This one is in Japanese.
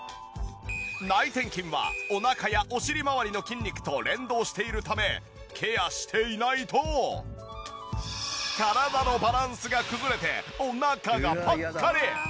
内転筋はお腹やお尻まわりの筋肉と連動しているためケアしていないと体のバランスが崩れてお腹がぽっこり！